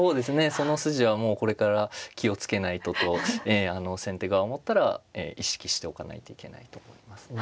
その筋はもうこれから気を付けないととええ先手側を持ったら意識しておかないといけないと思いますね。